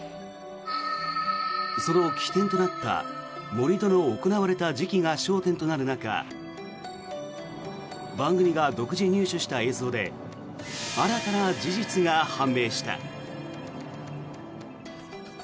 その起点となった盛り土の行われた時期が焦点となる中番組が独自入手した映像で新たな事実が判明した。